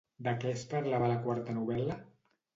De què es parlava a la quarta novel·la?